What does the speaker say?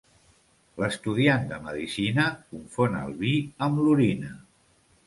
L'estudiant de medicina confon el vi amb l'orina.